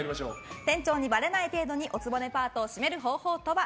店長にばれない程度にお局パートをシメる方法とは？